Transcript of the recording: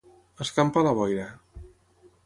Escampar la boira.